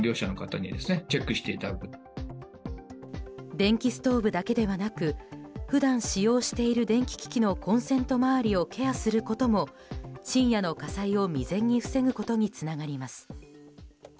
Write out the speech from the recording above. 電気ストーブだけではなく普段使用している電気機器のコンセント周りをケアすることも深夜の火災を未然に防ぐことにつながります。